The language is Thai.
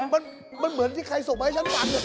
มันเหมือนที่ใครส่งมาให้ฉันฟัง